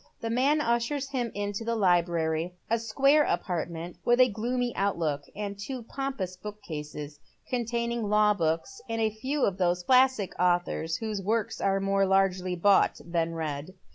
The man ushers him into the library — a square apartment with a gloomy outlook, and two pompous bookcases, containing law books, and a few of those classic authors whose works are more largely bought than read.